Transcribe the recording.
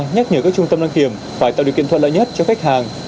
nhắc nhở các trung tâm đăng kiểm phải tạo điều kiện thuận lợi nhất cho khách hàng